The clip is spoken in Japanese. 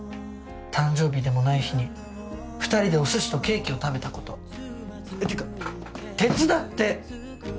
誕生日でもない日に２人でお寿司とケーキを食べたこと。ってか手伝って！